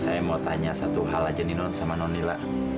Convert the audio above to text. saya mau tanya satu hal aja ninon sama nonila